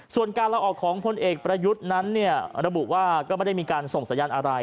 ส่วนการลาออกของพลเอกประยุทธ์นั้นเนี่ยระบุว่าก็ไม่ได้มีการส่งสัญญาณอะไร